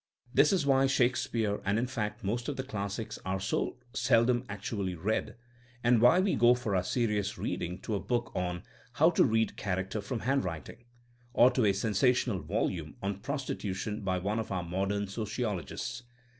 This is why Shakespeare, and in fact most of the classics, are so seldom actually read, and why we go for our serious reading to a book on How to Read Character from Handwriting" or to a sensational volume on prostitution by one of our modem sociologists.